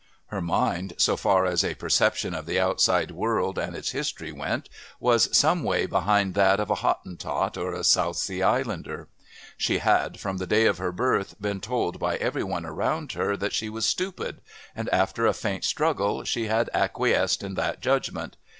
Her mind, so far as a perception of the outside world and its history went, was some way behind that of a Hottentot or a South Sea Islander. She had, from the day of her birth, been told by every one around her that she was stupid, and, after a faint struggle, she had acquiesced in that judgment.